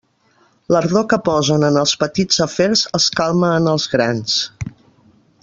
L'ardor que posen en els petits afers els calma en els grans.